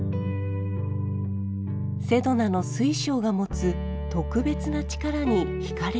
セドナの水晶が持つ特別な力に引かれたという。